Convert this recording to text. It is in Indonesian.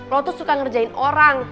lo tuh suka ngerjain orang